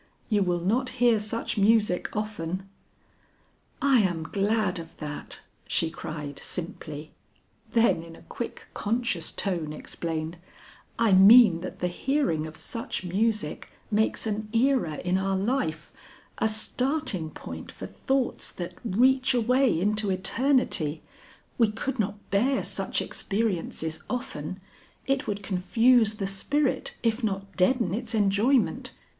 "You will not hear such music often." "I am glad of that," she cried simply, then in a quick conscious tone explained, "I mean that the hearing of such music makes an era in our life, a starting point for thoughts that reach away into eternity; we could not bear such experiences often, it would confuse the spirit if not deaden its enjoyment.